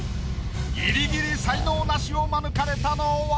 ギリギリ才能ナシを免れたのは？